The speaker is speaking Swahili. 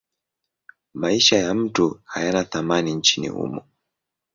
Maisha ya mtu hayana thamani nchini humo.